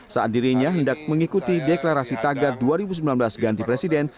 saat dirinya hendak mengikuti deklarasi tagar dua ribu sembilan belas ganti presiden